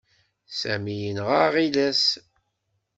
Sami yenɣa aɣilas.